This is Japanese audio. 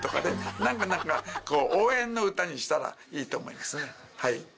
なんかなんか、こう、応援の歌にしたらいいと思いますね。